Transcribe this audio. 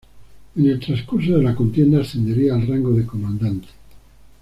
En el transcurso de la contienda ascendería al rango de comandante.